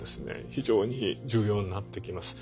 非常に重要になってきます。